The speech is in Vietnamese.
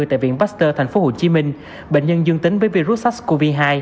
tại viện pasteur tp hcm bệnh nhân dương tính với virus sars cov hai